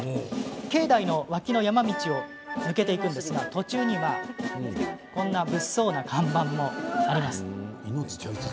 境内の脇の山道を抜けていくんですが途中には、このような物騒な看板もありました。